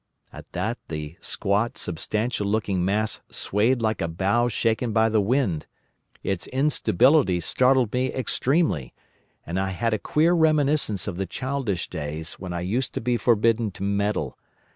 At that the squat substantial looking mass swayed like a bough shaken by the wind. Its instability startled me extremely, and I had a queer reminiscence of the childish days when I used to be forbidden to meddle.